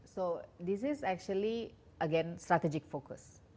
jadi ini sebenarnya lagi fokus strategis